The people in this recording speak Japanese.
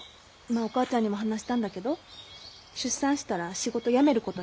今お母ちゃんにも話したんだけど出産したら仕事辞めることにしたから。